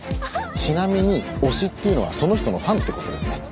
ちなみに「推し」っていうのはその人のファンって事ですね。